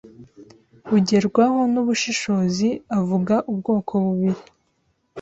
bugerwaho nubushishozi avuga ubwoko bubiri